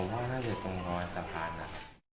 ผมว่ามันก็อยู่ตรงรสภาน